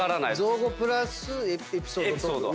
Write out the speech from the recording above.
造語プラスエピソードトーク？